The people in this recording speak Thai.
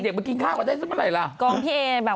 เออแต่เขาตำพี่เองนะ